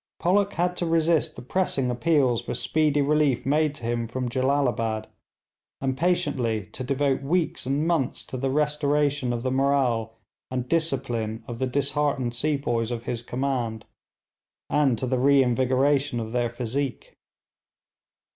Pollock had to resist the pressing appeals for speedy relief made to him from Jellalabad, and patiently to devote weeks and months to the restoration of the morale and discipline of the disheartened sepoys of his command, and to the reinvigoration of their physique.